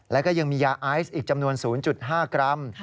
แล้วก็ยังมียาไอซ์อีกจำนวน๐๕กรัม